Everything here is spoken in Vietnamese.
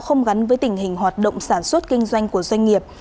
không gắn với tình hình hoạt động sản xuất kinh doanh của doanh nghiệp